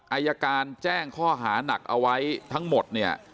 อายการแจ้งข้อหานักเอาไว้ทั้งหมดเนี่ย